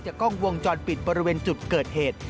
กล้องวงจรปิดบริเวณจุดเกิดเหตุ